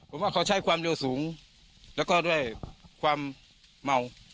ผมว่าเขาใช้ความเร็วสูงแล้วก็ด้วยความเมา